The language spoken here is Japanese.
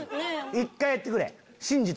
１回やってくれ。